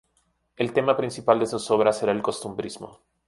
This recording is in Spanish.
El tema principal de sus obras era el costumbrismo.